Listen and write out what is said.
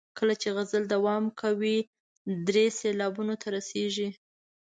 کله چې غزل دوام کوي درې سېلابونو ته رسیږي.